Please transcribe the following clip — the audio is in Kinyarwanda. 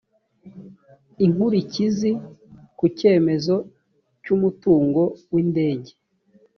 inkurikizi ku cyemezo cy umutungo w indege